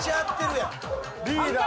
リーダー！